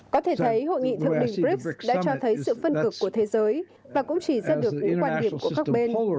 có thể thấy hội nghị thượng đỉnh brics đã cho thấy sự phân cực của thế giới và cũng chỉ ra được những quan điểm của các bên